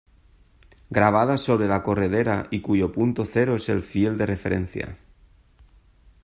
Grabada sobre la corredera y cuyo punto cero es el fiel de referencia.